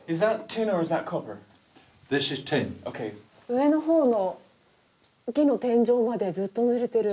上の方の木の天井までずっとぬれてる。